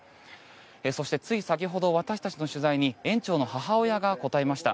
そしてつい先ほど私たちの取材に園長の母親が答えました。